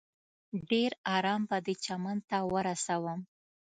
ډېر ارام به دې چمن ته ورسوم.